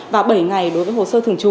và bảy ngày đối với hồ sơ thường trú